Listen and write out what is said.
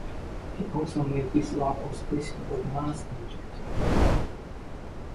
He also made visual observations of Mars and Jupiter.